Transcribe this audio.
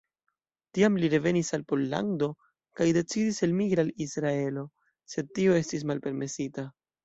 Tiam li revenis al Pollando kaj decidis elmigri al Israelo, sed tio estis malpermesita.